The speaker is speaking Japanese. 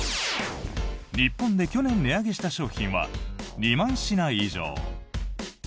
日本で去年値上げした商品は２万品以上。